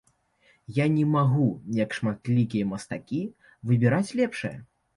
Я не магу, як шматлікія мастакі, выбіраць лепшае.